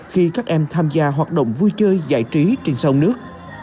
khi các em tham gia hoạt động vui chơi giải trí trên sông nước